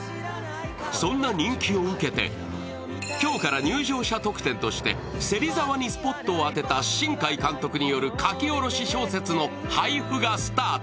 そんな人気を受けて今日から入場者特典として芹澤にスポットを当てた新海監督による書き下ろし小説の配布がスタート。